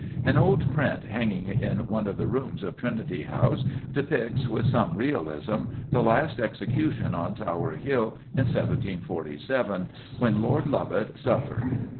An old print hanging in one of the rooms of Trinity House depicts, with some realism, the last execution on Tower Hill, in 1747, when Lord Lovat suffered.